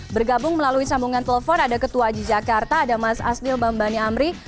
bergabung melalui sambungan telepon ada ketua aji jakarta ada mas asnil bambani amri